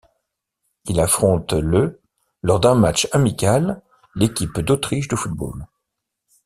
Il affronte le lors d'un match amical l'équipe d'Autriche de football.